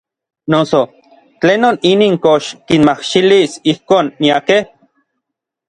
Noso ¿tlenon inin kox kinmajxilis ijkon miakej?